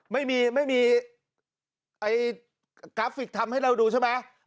ไม่มีไม่มีกราฟิกทำให้เราดูใช่ไหม